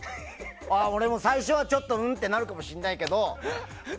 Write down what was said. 俺も最初はん？ってなるかもしれないけど。